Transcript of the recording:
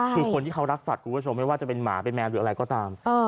คือคนที่เขารักสัตว์คุณผู้ชมไม่ว่าจะเป็นหมาเป็นแมวหรืออะไรก็ตาม